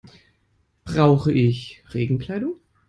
Brauche ich Regenkleidung?